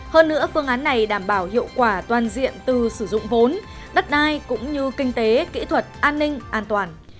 hơn nữa phương án này đảm bảo hiệu quả toàn diện từ sử dụng vốn đất đai cũng như kinh tế kỹ thuật an ninh an toàn